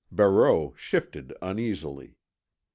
Barreau shifted uneasily.